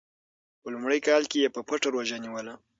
په لومړي کال کې یې په پټه روژه نیوله.